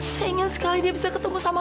jangan kembali lagi ke rumah itu